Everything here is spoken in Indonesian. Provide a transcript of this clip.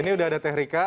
ini udah ada teh rika